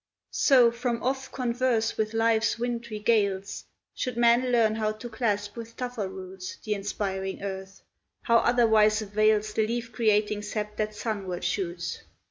So, from off converse with life's wintry gales, Should man learn how to clasp with tougher roots The inspiring earth; how otherwise avails The leaf creating sap that sunward shoots?